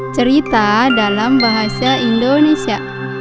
cerita dalam bahasa indonesia